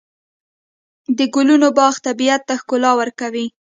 د ګلونو باغ طبیعت ته ښکلا ورکوي.